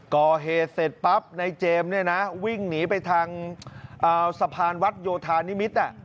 ก่อเหตุเสร็จปั๊บในเจมส์เนี่ยนะวิ่งหนีไปทางสะพานวัดโยธานิมิตร